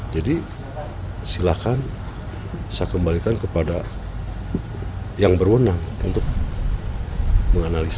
jadi silakan saya kembalikan kepada yang berwenang untuk menganalisa